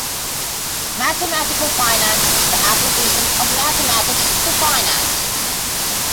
Mathematical finance is the application of mathematics to finance.